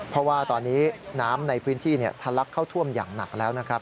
เพราะว่าตอนนี้น้ำในพื้นที่ทะลักเข้าท่วมอย่างหนักแล้วนะครับ